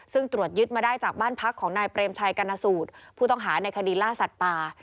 ซึ่งตรวจยึดมาได้จากบ้านพักของนายเปรมชัยกรณสูตรผู้ต้องหาในคดีล่าสัตว์ป่า